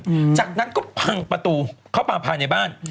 อืมจากนั้นก็พังประตูเข้ามาภายในบ้าน